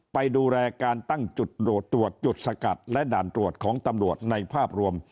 ไปดูแลการตั้งจุดโดดตรวจจุดสกัดและด่านตรวจของตำรวจในภาพรวม